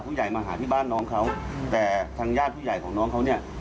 แต่ว่ามีเบอร์โทรเข้ามาแล้วมันเป็นเบอร์แปะ